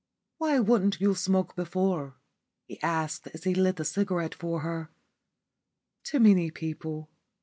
"Why wouldn't you smoke before?" he asked as he lit the cigarette for her. "Too many people.